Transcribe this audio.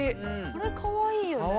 これかわいいよね。